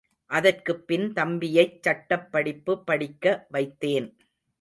அதற்குப் பின் தம்பியைச் சட்டப் படிப்பு படிக்க வைத்தேன்.